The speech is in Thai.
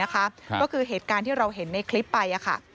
ก็คือเหตุการณ์ที่เราเห็นในคลิปไป